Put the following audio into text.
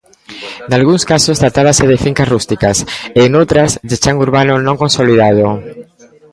Nalgúns casos tratábase de fincas rústicas e noutras de chan urbano non consolidado.